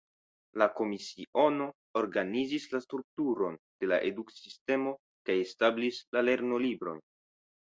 La Komisiono organizis la strukturon de la eduksistemo kaj establis la lernolibrojn.